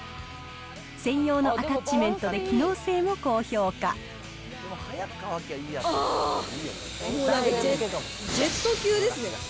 専用のアタッチメントで機能性もあー、もうなんかジェット級ですね。